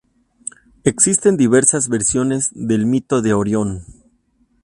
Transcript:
Existen diversas versiones del mito de Orión.